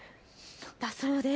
だそうです。